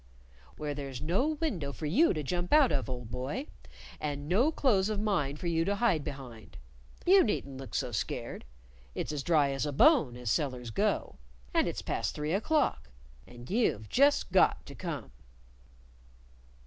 "Where there's no window for you to jump out of, old boy, and no clothes of mine for you to hide behind. You needn't look so scared; it's as dry as a bone, as cellars go. And it's past three o'clock. And you've just got to come."